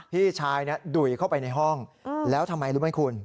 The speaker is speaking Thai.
พี่ชายดุ่ยเข้าไปในห้องแล้วทำไมรู้ไหมคุณ